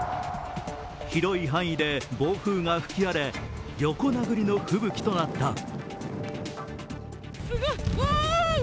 広い範囲で暴風が吹き荒れ、横殴りの吹雪となった。